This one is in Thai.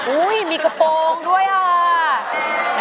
อุ้ยมีกระโปรงด้วยค่ะ